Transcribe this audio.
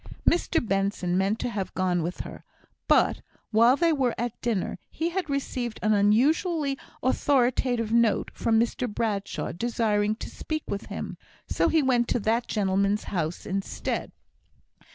Mr Benson meant to have gone with her; but while they were at dinner, he had received an unusually authoritative note from Mr Bradshaw desiring to speak with him, so he went to that gentleman's house instead.